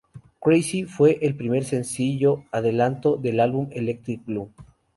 Crazy fue el primer sencillo adelanto del álbum Electric Blue.